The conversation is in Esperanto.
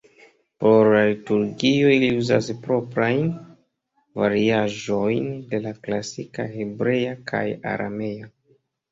Por la liturgio ili uzas proprajn variaĵojn de la klasika Hebrea kaj Aramea.